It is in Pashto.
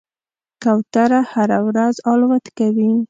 کوتره هره ورځ الوت کوي.